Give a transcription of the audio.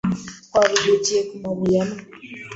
Twaruhukiye ku mabuye amwe.